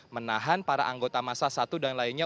menahan para anggota masa satu dan lainnya